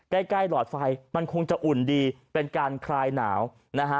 ใกล้ใกล้หลอดไฟมันคงจะอุ่นดีเป็นการคลายหนาวนะฮะ